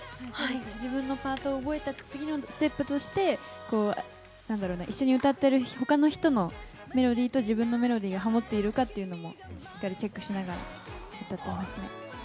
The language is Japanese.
自分のパートを覚えた次のステップとして、一緒に歌っている他の人のメロディーと自分のメロディーが持っているかというのをしっかりチェックしながら歌ってますね。